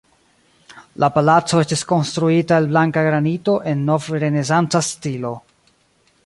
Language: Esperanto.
La palaco estis konstruita el blanka granito en nov-renesanca stilo.